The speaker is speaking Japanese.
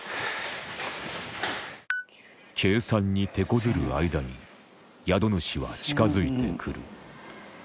計算にてこずる間に宿主は近づいて来る